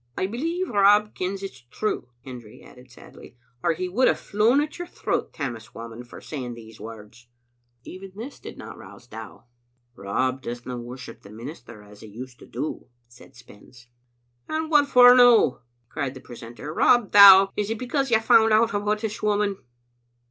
"I believe Rob kens it's true,"*Hendry added sadly, "or he would hae flown at your throat, Tammas Whamond, for saying these words." Even this did not rouse Dow. " Rob doesna worship the minister as he used to do," said Spens. " And what for no?" cried the precentor. " Rob Dow, is it because you've found out about this woman?"